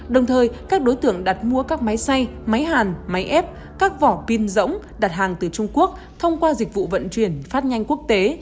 đồng thời các đối tượng đặt mua các máy xay máy hàn máy ép các vỏ pin rỗng đặt hàng từ trung quốc thông qua dịch vụ vận chuyển phát nhanh quốc tế